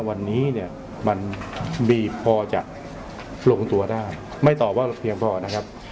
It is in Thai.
วันนี้เนี่ยมันบีบพอจะลงตัวได้ไม่ตอบว่าเพียงพอนะครับ